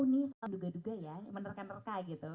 tahu nih selalu duga duga ya menerka nerka gitu